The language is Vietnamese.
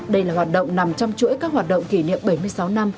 đây là hoạt động nằm trong chuỗi các hoạt động kỷ niệm bảy mươi sáu năm